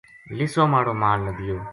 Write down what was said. لِسو ماڑو مال لَدیو